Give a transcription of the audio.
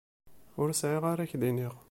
Ur sɛiɣ ara k-d-iniɣ.